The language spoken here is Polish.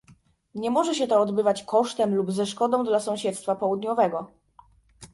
Nie może się to odbywać kosztem lub ze szkodą dla sąsiedztwa południowego